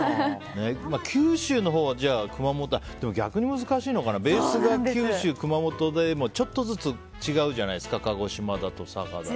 九州のほうや熊本は逆に難しいのかなベースが九州、熊本でもちょっとずつ違うじゃないですか鹿児島だとか、佐賀だとか。